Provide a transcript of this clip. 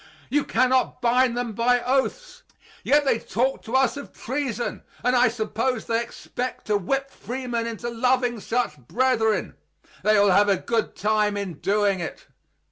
You can not bind them by oaths. Yet they talk to us of treason; and I suppose they expect to whip freemen into loving such brethren! They will have a good time in doing it!